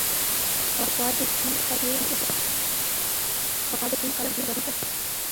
پخوا د چین خلک ډېر غریب وو.